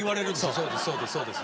そうですそうです。